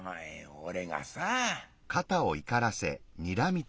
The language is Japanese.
俺がさ」。